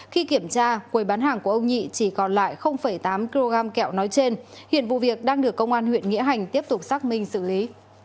khi kiểm tra quầy bán hàng của ông nhị chỉ còn lại tám kg kẹo nói trên hiện vụ việc đang được công an huyện nghĩa hành tiếp tục xác minh xử lý